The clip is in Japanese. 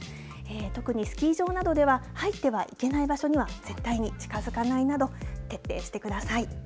特にスキー場などでは、入ってはいけない場所には絶対に近づかないなど、徹底してください。